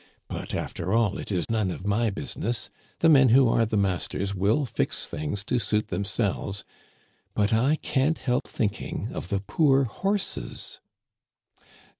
But, after all, it is none of my busi ness; the men who are the masters will fix things to suit themselves ; but I can't help thinking of the poor horses